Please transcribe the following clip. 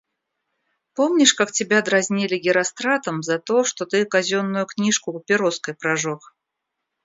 — Помнишь, как тебя дразнили? Геростратом за то, что ты казенную книжку папироской прожег.